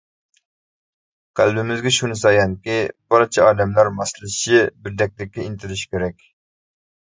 قەلبىمىزگە شۇنىسى ئايانكى، بارچە ئادەملەر ماسلىشىشى، بىردەكلىككە ئىنتىلىشى كېرەك.